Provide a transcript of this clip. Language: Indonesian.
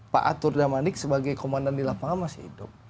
pak atur damanik sebagai komandan di lapangan masih hidup